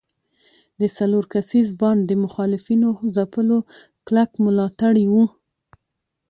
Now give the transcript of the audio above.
د څلور کسیز بانډ د مخالفینو ځپلو کلک ملاتړي وو.